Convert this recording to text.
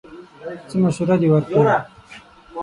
څه مشوره دې ورکړه!